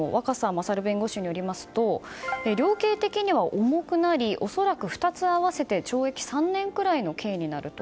勝弁護士によりますと量刑的には重くなり恐らく２つ合わせて懲役３年ぐらいの刑になると。